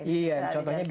iya contohnya bis ini